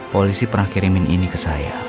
polisi pernah kirimin ini ke saya